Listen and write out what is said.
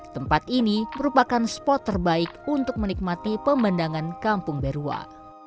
tempat ini merupakan spot terbaik untuk menikmati pemandangan kampung berua